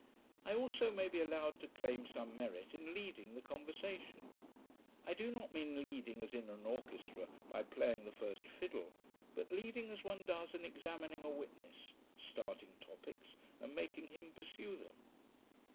I also may be allowed to claim some merit in leading the conversation: I do not mean leading, as in an orchestra, by playing the first fiddle; but leading as one does in examining a witness starting topics, and making him pursue them.